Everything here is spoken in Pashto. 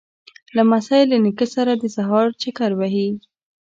لمسی له نیکه سره د سهار چکر وهي.